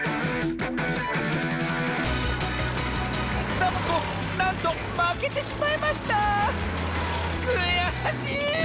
サボ子なんとまけてしまいましたくやしい！